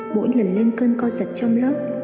mỗi lần lên cơn co giật trong lớp